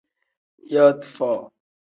Yooti foo.